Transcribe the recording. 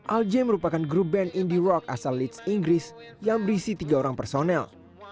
al jai merupakan grup band indie rock asal leeds inggris yang berisi tiga orang personel